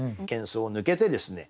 喧騒を抜けてですね